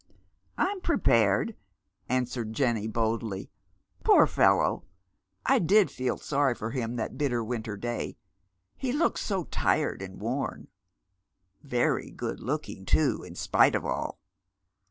" I'm prepared," answered Jenny, boldly. " Poor fellow ! I did feel sorry for him that bitter winter day. He looked so tired and worn — very good looking, too, in spite of all.